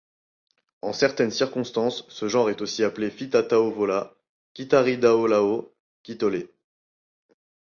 En certaines crconstances, ce genre est aussi appelé fitataovola, kitaridaolao, kitole.